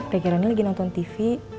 teh kirani lagi nonton tv